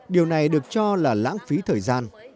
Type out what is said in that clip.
điều này được cho là lãng phí thời gian